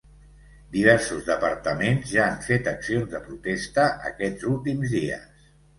Diversos departaments ja han fet accions de protesta aquests últims dies.